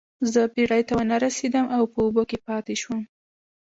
زه بیړۍ ته ونه رسیدم او په اوبو کې پاتې شوم.